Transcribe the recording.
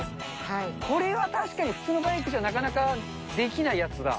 これは確かに普通のバイクじゃなかなかできないやつだ。